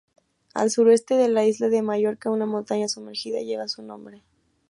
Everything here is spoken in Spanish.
Al sureste de la isla de Mallorca una montaña sumergida lleva su nombre.